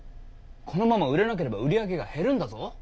このまま売れなければ売り上げが減るんだぞ？